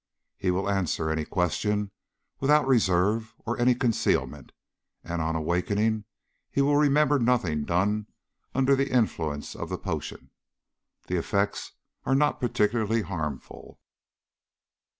He will answer any question without reserve or any concealment. And on awakening he will remember nothing done under the influence of the potion. The effects are not particularly harmful.